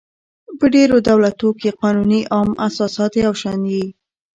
په ډېرو دولتو کښي قانوني عام اساسات یو شان يي.